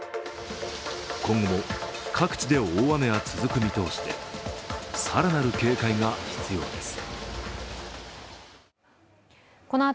今後も各地で大雨は続く見通しで、更なる警戒が必要です。